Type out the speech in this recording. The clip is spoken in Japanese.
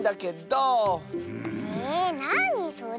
えなにそれ？